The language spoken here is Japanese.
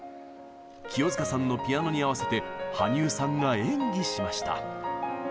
清塚さんのピアノに合わせて羽生さんが演技しました。